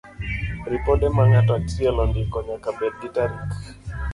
Ripode ma ng'ato achiel ondiko, nyaka bed gi tarik